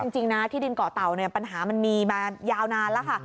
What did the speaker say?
จริงนะที่ดินเกาะเต่าปัญหามันมีมายาวนานแล้วค่ะ